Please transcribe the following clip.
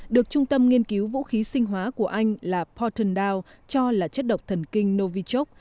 được trung tâm nghiên cứu vũ khí sinh hóa của anh là potern down cho là chất độc thần kinh novichok